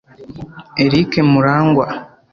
Eric Murangwa